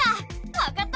⁉わかった！